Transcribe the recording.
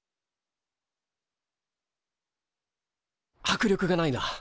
迫力がないな！